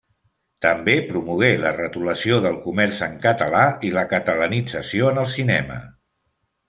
També promogué la retolació del comerç en català i la catalanització en el cinema.